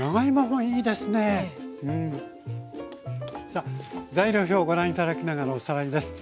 さあ材料表をご覧頂きながらおさらいです。